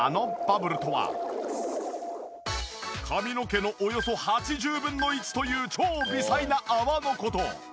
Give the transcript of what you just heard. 髪の毛のおよそ８０分の１という超微細な泡の事。